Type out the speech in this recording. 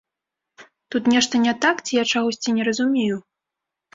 Тут нешта не так ці я чагосьці не разумею?